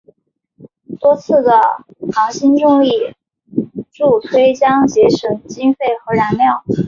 多次的行星重力助推将节省经费与燃料。